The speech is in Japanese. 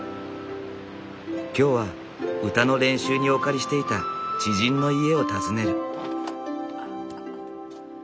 今日は歌の練習にお借りしていた知人の家を訪ねる。